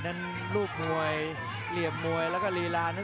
เอาคืนอีกแล้วครับ